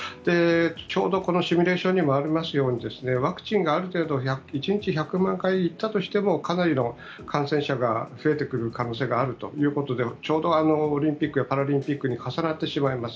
ちょうどこのシミュレーションにもありますようにワクチンがある程度１日１００万回行ったとしてもかなりの感染者が増えてくる可能性があるということでちょうどオリンピックやパラリンピックに重なってしまいます。